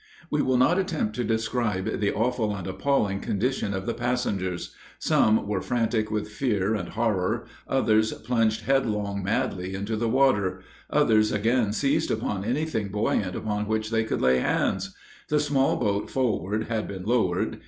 We will not attempt to describe the awful and appalling condition of the passengers. Some were frantic with fear and horror, others plunged headlong madly into the water, others again seized upon any thing buoyant upon which they could lay hands. The small boat forward had been lowered.